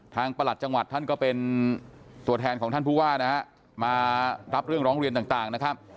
ประหลัดจังหวัดท่านก็เป็นตัวแทนของท่านผู้ว่านะฮะมารับเรื่องร้องเรียนต่างนะครับ